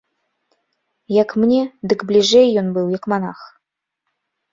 Як мне, дык бліжэй ён быў як манах.